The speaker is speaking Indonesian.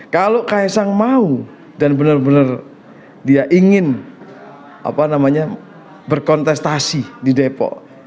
kalau kaisang mau dan benar benar dia ingin berkontestasi di depok